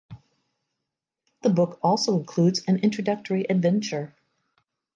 The book also includes an introductory adventure.